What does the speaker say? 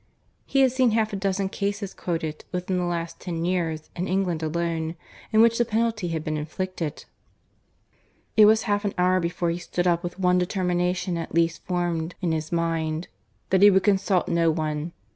He had seen half a dozen cases quoted, within the last ten years, in England alone, in which the penalty had been inflicted. It was half an hour before he stood up, with one determination at least formed in his mind that he would consult no one.